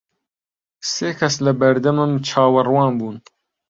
سێ کەس لە بەردەمم چاوەڕوان بوون.